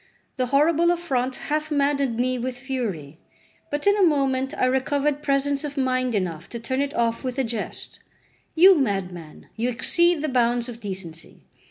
The horrible affront half maddened me with fury; but in a moment I recovered presence of mind enough to turn it off with a jest; "You madman! you exceed the bounds of decency.